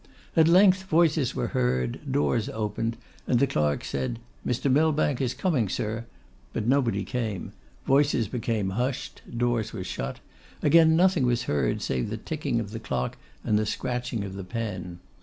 At length, voices were heard, doors opened, and the clerk said, 'Mr. Millbank is coming, sir,' but nobody came; voices became hushed, doors were shut; again nothing was heard, save the ticking of the clock and the scratching of the pen.